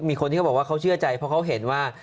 มีคนที่เขาบอกว่าเขาเชื่อใจเพราะเขาเห็นว่า